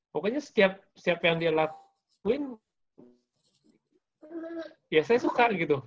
pokoknya setiap yang dia latuin ya saya suka gitu